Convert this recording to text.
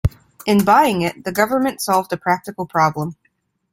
In buying it, the government solved a practical problem.